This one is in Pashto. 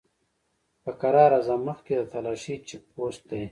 په کرار ځه! مخکې د تالاشی چيک پوسټ دی!